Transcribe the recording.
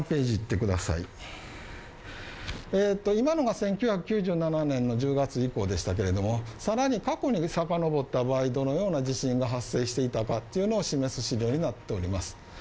今のが１９９７年の１０月以降でしたけれども、さらに過去に遡った場合どのような地震が発生していたかっていうのを示す資料になっております。